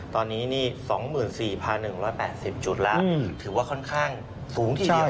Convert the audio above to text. ตอนนี้นี่๒๔๑๘๐จุดแล้วถือว่าค่อนข้างสูงทีเดียว